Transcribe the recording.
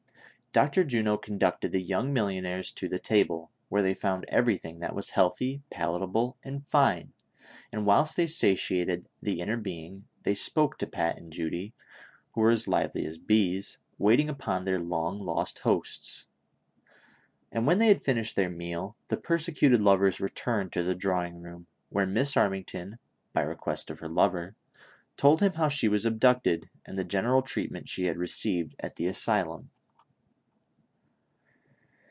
Dr. Juno conducted the young millionairess to the table, where they found everything that was healthy, palatable and fine, and whilst they sati ated the inner being, they spoke to Pat and Judy, who Avere as lively as bees, waiting upon their long lost hosts ; and when they had finished their meal, the persecuted lovers returned to the drawing room, where Miss Arming ton, by request of her lover, told him how she was abduc ted, and the general treatment she had received at the asylum.